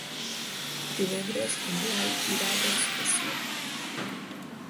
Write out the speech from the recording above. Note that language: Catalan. Divendres en Blai irà d'excursió.